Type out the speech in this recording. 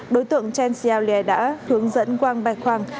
đối tượng chen xiaolie đã hướng dẫn wang baikwang